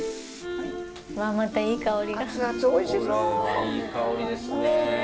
いい香りですね！